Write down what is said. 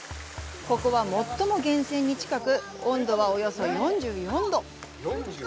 ここは最も源泉に近く温度はおよそ４４度。